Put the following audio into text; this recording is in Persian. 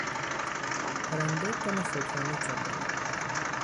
پرنده دم خود را میجنباند.